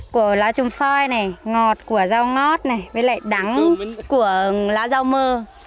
của lá trồng phoi này ngọt của rau ngót này với lại đắng của lá rau mơ